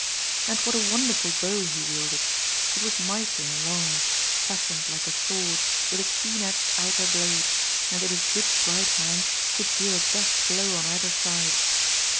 And what a wonderful bow he wielded! It was mighty and long, fashioned like a sword, with a keen edged outer blade, and in his good right hand could deal a deft blow on either side.